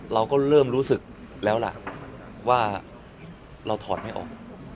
เราก็เริ่มรู้สึกแล้วล่ะว่าเราถอดไม่ออก